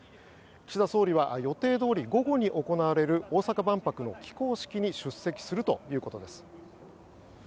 岸田総理は予定どおり午後に行われる大阪万博の起工式に出席するということです。